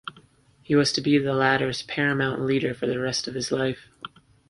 He was to be the latter's paramount leader for the rest of his life.